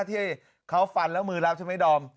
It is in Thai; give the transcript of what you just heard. ที่เขาฟันแล้วมือรับใช่ไหมดอม